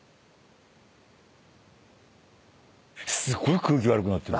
すごい空気悪くなってる。